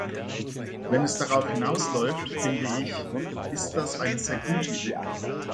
Wenn es darauf hinausläuft, finde ich, ist das eine sehr gute Idee.